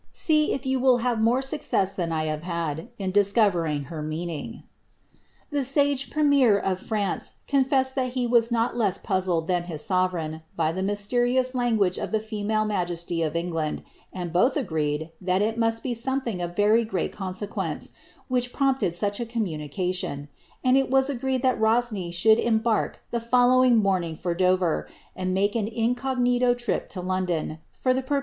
See if you will have more success than I have n discovering her meaning." The sage premier of France confessed le was not less puzzled than his sovereign, by the mysterious lan * of the female majesty of England, and both agreed, that it must be thing of very great consequence, which prompted such a commu ion ; and it was agreed that Rosny should embark the following ing for Dover, and make an incognito trip to London, for the poi^ * AAerwardt the celebrated Poo dm Sully.